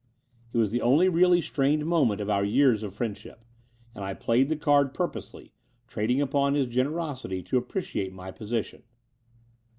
It was the only really strained moment of our years of friendship: and I played the card pur posely, trading upon his generosity to appreciate my position.